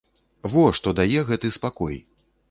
Во што дае гэты спакой!